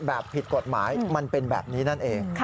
ผิดกฎหมายมันเป็นแบบนี้นั่นเอง